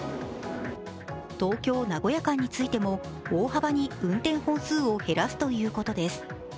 東京−名古屋間についても大幅に運転本数を減らすということです。